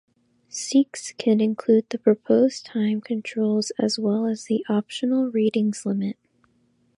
Seeks can include the proposed time controls as well as an optional ratings limit.